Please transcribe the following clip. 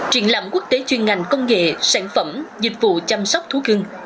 triển lãm quốc tế chuyên ngành công nghệ sản phẩm dịch vụ chăm sóc thú cưng